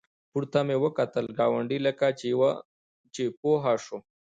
پورته مې وکتل، ګاونډي لکه چې پوه شو.